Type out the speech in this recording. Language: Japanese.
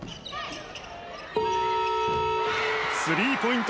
スリーポイント